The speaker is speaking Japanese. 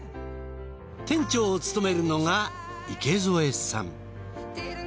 店長を務めるのが池添さん。